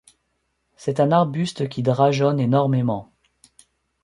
C'est un arbuste qui drageonne énormément.